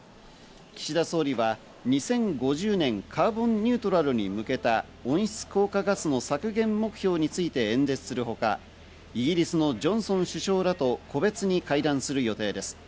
岸田総理は２０５０年カーボンニュートラルに向けた温室効果ガスの削減目標について演説するほか、イギリスのジョンソン首相らと個別に会談する予定です。